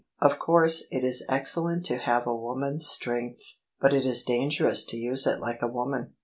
Of course it is excellent to have a woman's strength, but it is dangerous to use it like a woman."